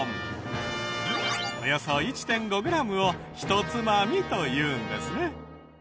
およそ１．５グラムを「ひとつまみ」というんですね。